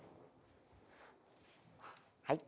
はい。